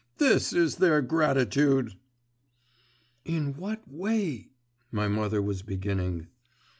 This is their gratitude!' 'In what way ,' my mother was beginning.